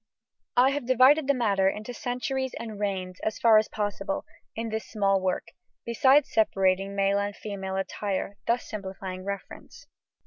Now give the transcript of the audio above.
I have divided the matter into centuries and reigns, as far as possible, in this small work, besides separating male and female attire, thus simplifying reference.